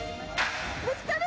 ぶつかる！